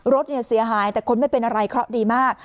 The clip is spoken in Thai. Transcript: รถเนี่ยเสียหายแต่คนไม่เป็นอะไรเคราะห์ดีมาก